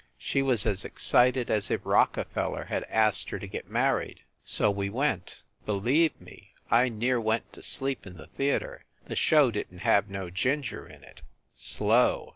She was as excited as if Rockefeller had asked her to get mar ried. So we went. Believe me, I near went to sleep in the theater. The show didn t have no gin ger in it. Slow.